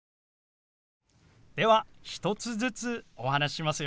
では１つずつお話ししますよ。